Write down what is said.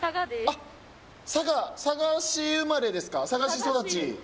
佐賀市生まれですか？